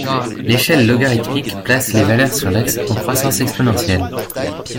L'échelle logarithmique place les valeurs sur l'axe en croissance exponentielle.